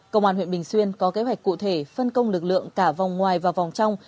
công an huyện bình xuyên có kế hoạch cụ thể phân công lực lượng cả vòng ngoài và vòng trong